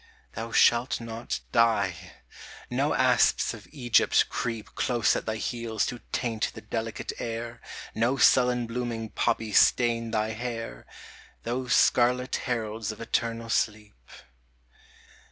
Thou shalt not die : no asps of Egypt creep Close at thy heels to taint the delicate air ; No sullen blooming poppies stain thy hair, Those scarlet heralds of eternal sleep.